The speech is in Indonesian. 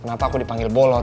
kenapa kamu dipanggil bolot